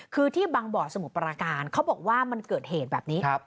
คือที่บางบ่อสมุทรปราการเขาบอกว่ามันเกิดเหตุแบบนี้